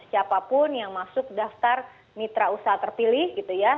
siapapun yang masuk daftar mitra usaha terpilih gitu ya